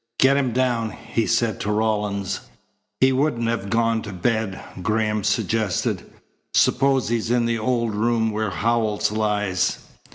"Get him down," he said to Rawlins. "He wouldn't have gone to bed," Graham suggested. "Suppose he's in the old room where Howells lies?"